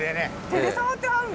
手で触ってはるん？